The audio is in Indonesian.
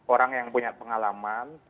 orang yang punya pengalaman